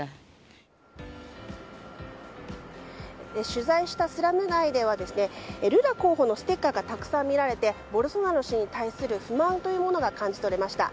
取材したスラム街ではルラ候補のステッカーがたくさん見られてボルソナロ氏に対する不満というものが感じ取れました。